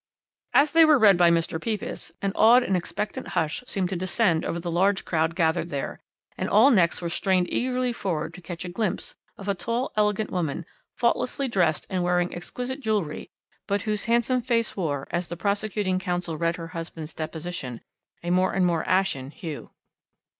"As they were read by Mr. Pepys, an awed and expectant hush seemed to descend over the large crowd gathered there, and all necks were strained eagerly forward to catch a glimpse of a tall, elegant woman, faultlessly dressed and wearing exquisite jewellery, but whose handsome face wore, as the prosecuting counsel read her husband's deposition, a more and more ashen hue.